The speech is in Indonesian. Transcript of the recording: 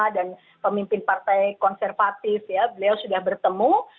dan pemimpin partai konservatif ya beliau sudah bertemu